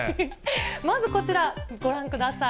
まずこちら、ご覧ください。